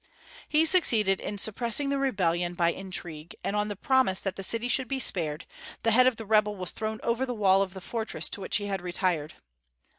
He succeeded in suppressing the rebellion by intrigue, and on the promise that the city should be spared, the head of the rebel was thrown over the wall of the fortress to which he had retired.